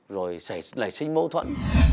rồi xảy lại sinh mâu thuẫn